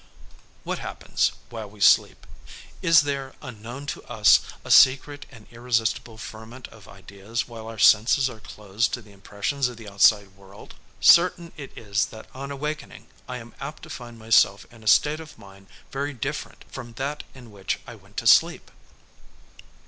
What happens while we sleep? Is there, unknown to us, a secret and irresistible ferment of ideas while our senses are closed to the impressions of the outside world? Certain it is that on awakening I am apt to find myself in a state of mind very different from that in which I went to sleep.